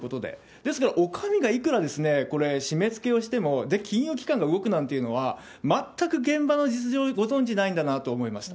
ですから、お上がいくらこれ、締めつけをしても、金融機関が動くなんていうのは、全く現場の実情をご存じないんだなと思いました。